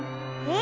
え